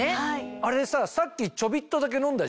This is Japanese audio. あれささっきちょびっとだけ飲んだじゃん。